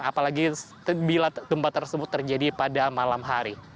apalagi bila gempa tersebut terjadi pada malam hari